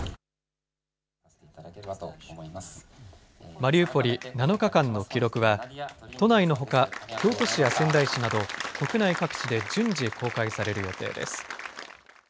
マリウポリ７日間の記録は都内のほか京都市や仙台市など国内各地で順次、公開される予定です。